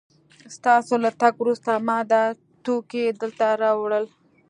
ستاسو له تګ وروسته ما دا توکي دلته راوړل